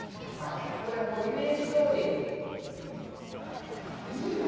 もうイメージどおり！